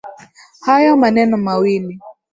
Hayo maneno mawili